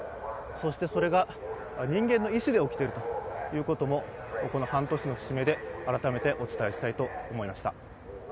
そしてそれが人間の意思で起きているということもこの半年の節目で改めてお伝えしたいと思いました。